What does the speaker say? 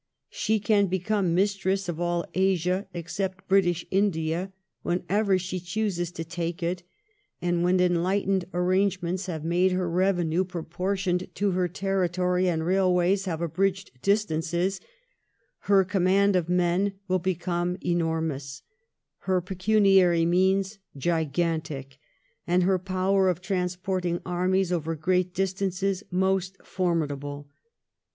She can become mistress of all Asia, except British India, wheneyer she chooses to 'take it ; and when enlightened arrangements haye made her reyenue proportioned to her territory, and railways haye abridged distances, lier command of men will become enormous, her pecuniary means gigantic, and her power of transporting armies oyer great distances most formidable.